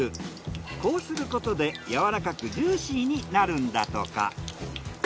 こうすることでやわらかくジューシーになるんだとか。